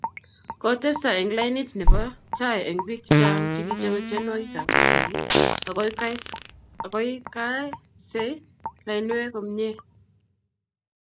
Kotepso eng lainit nebo tai eng biik chechang chegichame tyenwogikab kasari agoigaasei lainwek komnyei